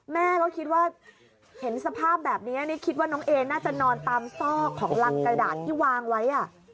แม่ก็คิดว่าเห็นสภาพแบบนี้นี่คิดว่าน้องเอน่าจะนอนตามซอกของรังกระดาษที่วางไว้